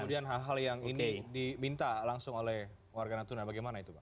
kemudian hal hal yang ini diminta langsung oleh warga natuna bagaimana itu pak